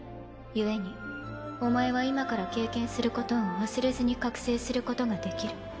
故にお前は今から経験することを忘れずに覚醒することができる。